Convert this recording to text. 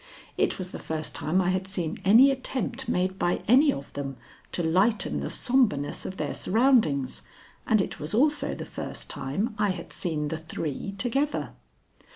It was the first time I had seen any attempt made by any of them to lighten the sombreness of their surroundings, and it was also the first time I had seen the three together.